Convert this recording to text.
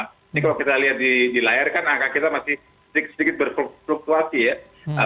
ini kalau kita lihat di layar kan angka kita masih sedikit sedikit berfluktuasi ya